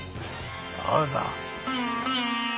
どうぞ。